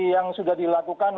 yang sudah dilakukan